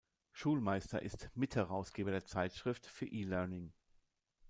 Schulmeister ist Mitherausgeber der Zeitschrift für E-Learning.